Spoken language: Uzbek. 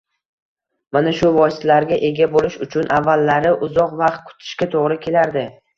Mana shu vositalarga ega boʻlish uchun avvallari uzoq vaqt kutishga toʻgʻri kelardi.